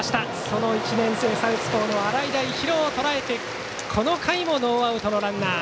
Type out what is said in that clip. その１年生サウスポーの洗平比呂をとらえてこの回もノーアウトのランナー。